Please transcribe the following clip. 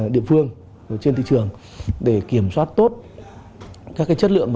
địa phương trên thị trường để kiểm soát tốt các chất lượng